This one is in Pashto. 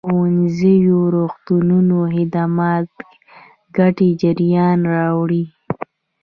ښوونځيو روغتونونو خدمات ګټې جريان راوړي.